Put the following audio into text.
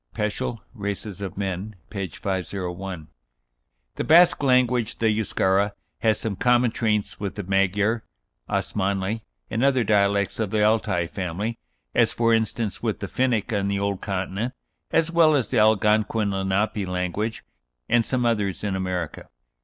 (Peschel, "Races of Men," p. 501.) The Basque language the Euscara "has some common traits with the Magyar, Osmanli, and other dialects of the Altai family, as, for instance, with the Finnic on the old continent, as well as the Algonquin Lenape language and some others in America."